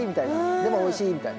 でもおいしいみたいな。